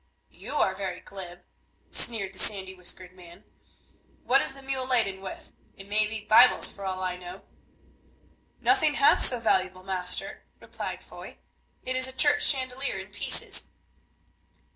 "You are very glib," sneered the sandy whiskered man; "what is the mule laden with? It may be Bibles for all I know." "Nothing half so valuable, master," replied Foy; "it is a church chandelier in pieces."